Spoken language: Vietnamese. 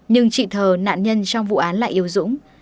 nhưng chị thờ nạn nhân trong vụ án lại yếu dũng